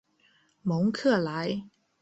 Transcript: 蒙克莱。